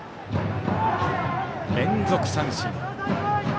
連続三振。